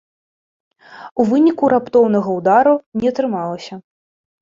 У выніку раптоўнага ўдару не атрымалася.